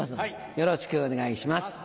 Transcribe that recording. よろしくお願いします。